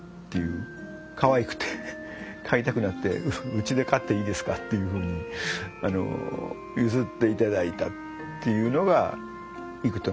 かわくて飼いたくなって「うちで飼っていいですか？」っていうふうに譲っていただいたっていうのがいくとの出会いで。